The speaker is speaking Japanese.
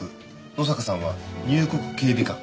野坂さんは入国警備官。